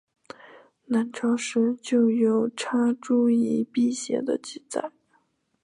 南朝时就有插茱萸辟邪的记载。